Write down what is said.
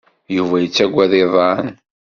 Yuba yettagad iḍan.